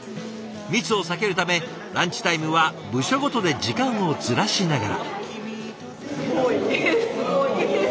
密を避けるためランチタイムは部署ごとで時間をずらしながら。